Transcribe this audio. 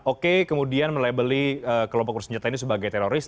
oke kemudian melebeli kelompok urus senjata ini sebagai teroris